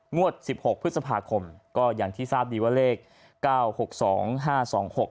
สิบหกพฤษภาคมก็อย่างที่ทราบดีว่าเลขเก้าหกสองห้าสองหก